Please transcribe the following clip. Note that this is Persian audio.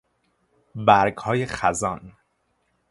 برگهای خزان